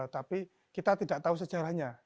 tapi kita tidak tahu sejarahnya